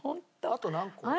あと何個？